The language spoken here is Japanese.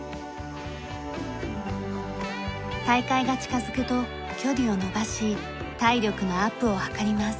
大会が近づくと距離を伸ばし体力のアップを図ります。